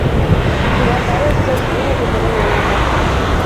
Туғандары өсөн ул ғүмерен йәлләмәҫ.